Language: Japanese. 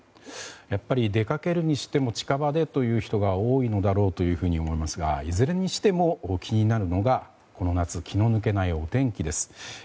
やっぱり出かけるにしても近場でという人が多いのだろうというふうに思いますがいずれにしても気になるのがこの夏気の抜けないお天気です。